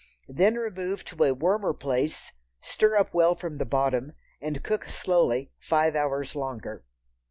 Then remove to a warmer place, stir up well from the bottom, and cook slowly five hours longer.